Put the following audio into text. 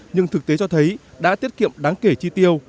nhưng thực tế cho thấy đã tiết kiệm đáng kể chi tiêu